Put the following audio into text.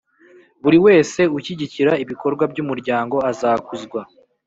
buri wese ushyigikira ibikorwa by Umuryango azakuzwa